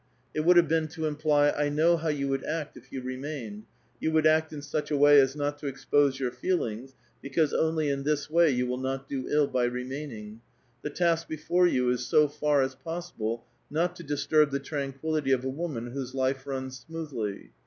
It would bave been to imply, "I know bow you would act if you remained ; you would act in such a way as not to expose your feelings, because only in tliis way von will not do ill bv remainincc. Tbe task before you is GO far as possible not to disturb the tranquiUity of a woman wbose life runs smoothly.